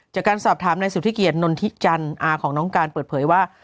จากการสอบถามนายสุธิเกียจนนนทิจันทร์อาของน้องการเปิดเผยว่า